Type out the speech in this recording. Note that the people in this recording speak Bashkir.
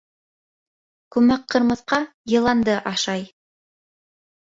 Күмәк ҡырмыҫҡа йыланды ашай.